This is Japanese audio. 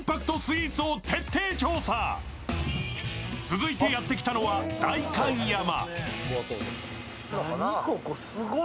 続いてやってきたのは代官山。